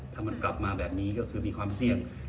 ถ้ามันกลับมาแบบนี้ก็คือมีความเสี่ยง